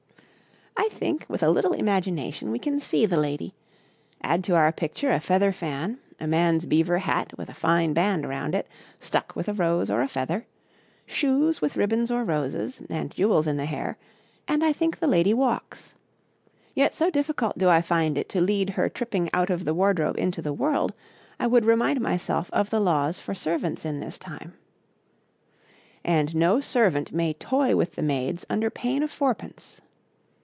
I think, with a little imagination, we can see the lady: add to our picture a feather fan, a man's beaver hat with a fine band round it stuck with a rose or a feather, shoes with ribbons or roses, and jewels in the hair and I think the lady walks. Yet so difficult do I find it to lead her tripping out of the wardrobe into the world, I would remind myself of the laws for servants in this time: 'And no servant may toy with the maids under pain of fourpence.'